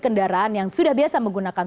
kendaraan yang sudah biasa menggunakan